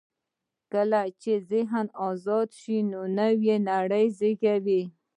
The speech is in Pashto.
کله چې ذهن آزاد شي، نوې نړۍ زېږي.